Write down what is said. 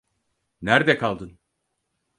Nerde kaldın?